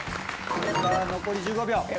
残り１５秒。